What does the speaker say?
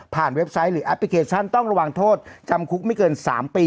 เว็บไซต์หรือแอปพลิเคชันต้องระวังโทษจำคุกไม่เกิน๓ปี